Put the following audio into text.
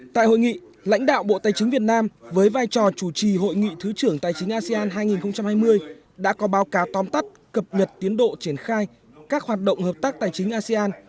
tại hội nghị lãnh đạo bộ tài chính việt nam với vai trò chủ trì hội nghị thứ trưởng tài chính asean hai nghìn hai mươi đã có báo cáo tóm tắt cập nhật tiến độ triển khai các hoạt động hợp tác tài chính asean